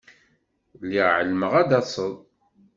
Lliɣ εelmeɣ ad d-taseḍ.